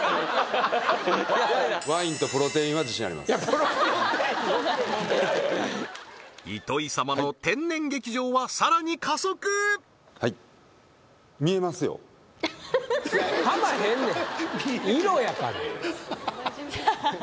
プロテイン糸井様の天然劇場はさらに加速かまへんねん色やからはははっ